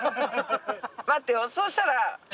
待ってよそうしたら。